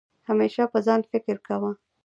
همېشه په ځان فکر کوه